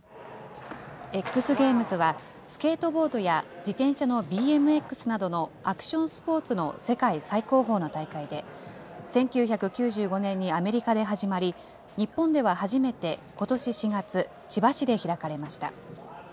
Ｘゲームズは、スケートボードや自転車のＢＭＸなどのアクションスポーツの世界最高峰の大会で、１９９５年にアメリカで始まり、日本では初めてことし４月、千葉市で開かれました。